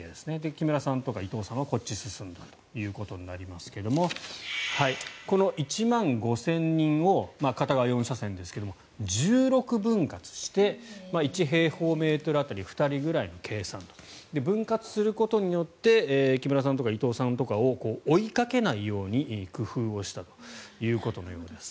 木村さんとか伊藤さんはこっちを進んだということになりますがこの１万５０００人を片側４車線ですが１６分割して１平方メートル当たり２人ぐらいの計算と。分割することによって木村さんとか伊藤さんとかを追いかけないように工夫したということのようです。